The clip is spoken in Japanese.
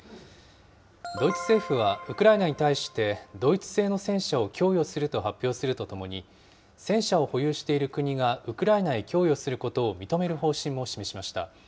ドイツ政府はウクライナに対して、ドイツ製の戦車を供与すると発表するとともに、戦車を保有している国がウクライナへ供与することを認める方針を示しました。